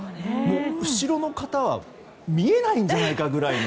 後ろの方は見えないんじゃないかぐらいの。